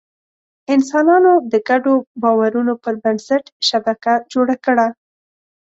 انسانانو د ګډو باورونو پر بنسټ شبکه جوړه کړه.